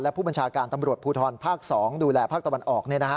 ผู้บัญชาการตำรวจภูทรภาค๒ดูแลภาคตะวันออก